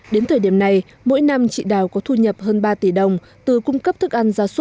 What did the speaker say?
đến thời điểm này mỗi năm chị đào có thu nhập hơn ba tỷ đồng từ cung cấp cho các cấp phụ nữ